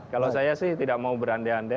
kalau saya sih tidak mau berande ande